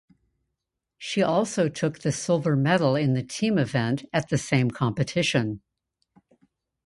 She also took the silver medal in the team event at the same competition.